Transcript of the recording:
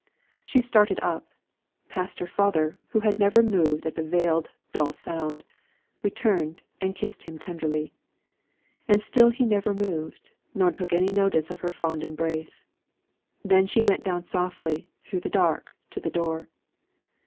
She started up, passed her father, who had never moved at the veiled, dull sound, returned, and kissed him tenderly. And still he never moved, nor took any notice of her fond embrace. Then she went down softly, through the dark, to the door.